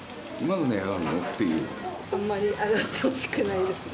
って、あんまり上がってほしくないですね。